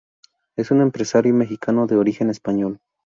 Es un empresario mexicano de origen español.